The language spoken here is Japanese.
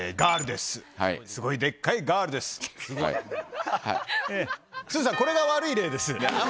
すずさん、これが悪い例です。